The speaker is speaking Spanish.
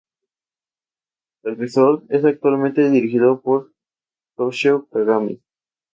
El resort es actualmente dirigido por Toshio Kagami.